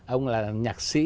ông là nhạc sĩ